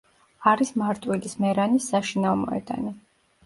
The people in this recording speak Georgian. არის მარტვილის „მერანის“ საშინაო მოედანი.